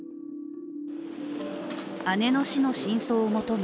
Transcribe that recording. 姉の死の真相を求め